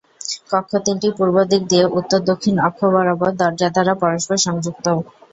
কক্ষ তিনটি পূর্বদিক দিয়ে উত্তর-দক্ষিণ অক্ষ বরাবর দরজা দ্বারা পরস্পর সংযুক্ত।